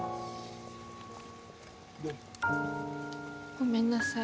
ごめんなさい。